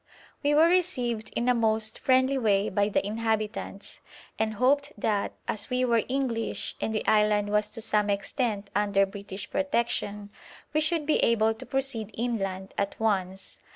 We were received in a most friendly way by the inhabitants, and hoped that, as we were English and the island was to some extent under British protection, we should be able to proceed inland at once.